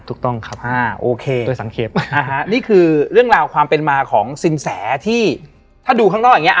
ถูกต้องครับอ่าโอเคสังเกตนะฮะนี่คือเรื่องราวความเป็นมาของสินแสที่ถ้าดูข้างนอกอย่างนี้